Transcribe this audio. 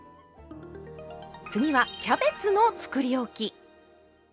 次はキャベツのつくりおき。